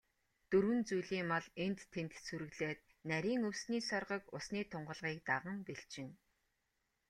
Дөрвөн зүйлийн мал энд тэнд сүрэглээд, нарийн өвсний соргог, усны тунгалгийг даган бэлчинэ.